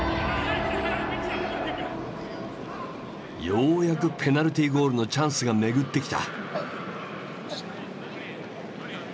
ようやくペナルティーゴールのチャンスが巡ってきた。